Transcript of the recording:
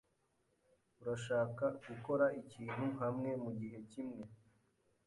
Urashaka gukora ikintu hamwe mugihe kimwe?